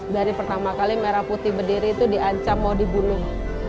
dari pertama kali merah putih berdiri itu diancam mau dibunuh